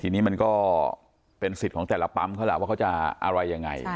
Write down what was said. ทีนี้มันก็เป็นสิทธิ์ของแต่ละปั๊มเขาล่ะว่าเขาจะอะไรยังไง